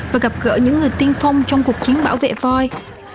và gặp gỡ những người tiên phong trong cuộc chiến bảo vệ voi